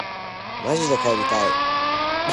まじで帰りたい